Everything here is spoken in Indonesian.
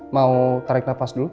mau tarik nafas dulu